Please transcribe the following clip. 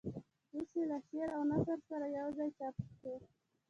اوس یې له شعر او نثر سره یوځای چاپ شو.